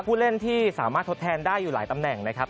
ผู้เล่นที่สามารถทดแทนได้อยู่หลายตำแหน่งนะครับ